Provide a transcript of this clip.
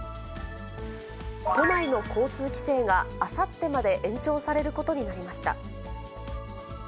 都内の交通規制があさってまで延長されることになりました。